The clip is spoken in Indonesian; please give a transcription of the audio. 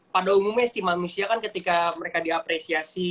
pada umumnya si manusia kan ketika mereka diapresiasi